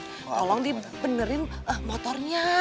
tolong dipenerin motornya